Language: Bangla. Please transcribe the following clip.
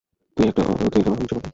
তুই একজন অহিংসবাদী!